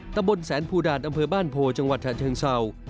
ตำบลแสนภูดานอำเภอบ้านโพจังหวัดฉะเชิงเศร้า